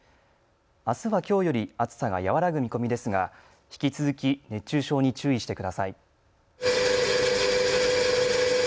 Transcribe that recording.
あすはきょうより暑さが和らぐ見込みですが、引き続き熱中症に注意してください。